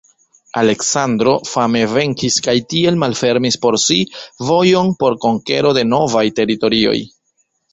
Aleksandro fame venkis kaj tiel malfermis por si vojon por konkero de novaj teritorioj.